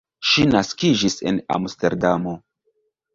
Ŝi naskiĝis en Amsterdamo.